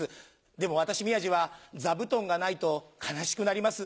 でも私宮治は座布団がないと悲しくなります。